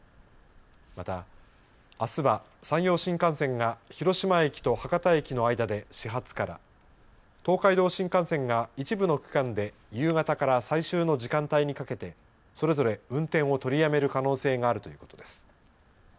また、あすは山陽新幹線が広島駅と博多駅の間で始発から東海道新幹線が一部の区間で夕方から最終の時間帯にかけてそれぞれ運転を取りやめる可能性があるということです。